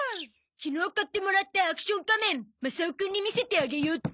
昨日買ってもらったアクション仮面マサオくんに見せてあげよっと。